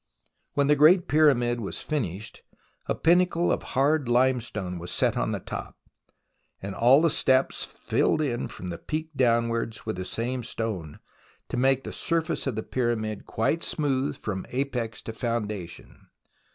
When the Great Pyramid was finished, a pinnacle of hard limestone was set on the top, and all the steps were filled in from the peak downwards with the same stone, to make the surface of the Pyramid quite smooth from apex to foundation.